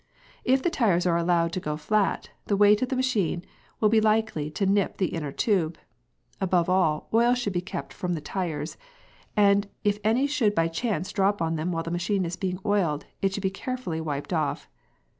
If the tyres are allowed to go flat, the weight of the machine will be likely to "nip" the inner tube. Above all, oil should be kept from the tyres, and if any should by chance drop on them while the machine is being oiled, it should be carefully wiped off.